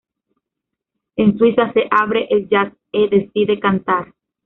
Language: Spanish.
En Suiza, se abre al jazz e decide cantar.